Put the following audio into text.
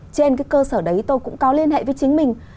trên cái cơ sở đấy tôi cũng có liên hệ với chính mình